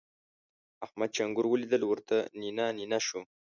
احمد چې انګور وليدل؛ ورته نينه نينه شو.